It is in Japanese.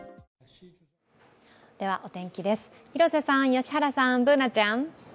お天気です、広瀬さん、良原さん、Ｂｏｏｎａちゃん。